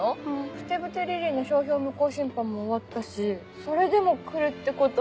「ふてぶてリリイ」の商標無効審判も終わったしそれでも来るってことは。